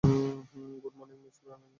Good morning miss Braganza.